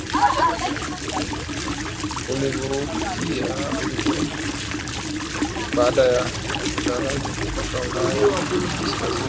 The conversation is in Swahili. ulivurugika baada ya Wavandali kutoka Ulaya Kaskazini